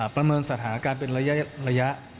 ประเมินสถานการณ์เป็นระยะ